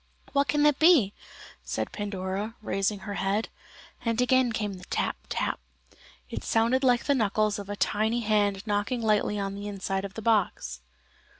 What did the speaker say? "What can that be?" said Pandora, raising her head; and again came the tap, tap. It sounded like the knuckles of a tiny hand knocking lightly on the inside of the box.